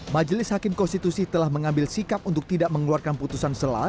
majelis hakim konstitusi telah mengambil sikap untuk tidak mengeluarkan putusan sela